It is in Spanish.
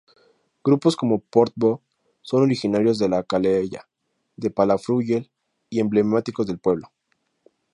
Grupos como "Port Bo" son originarios de Calella de Palafrugell y emblemáticos del pueblo.